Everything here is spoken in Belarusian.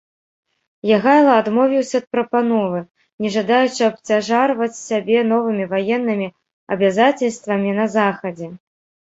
Ягайла адмовіўся ад прапановы, не жадаючы абцяжарваць сябе новымі ваеннымі абавязацельствамі на захадзе.